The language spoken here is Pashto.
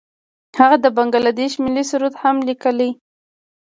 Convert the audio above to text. هغه د بنګله دیش ملي سرود هم لیکلی.